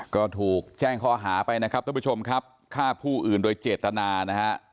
ก็ถูกแจ้งข้อหาไปนะครับท่านผู้ชมครับฆ่าผู้อื่นโดยเจตนานะฮะ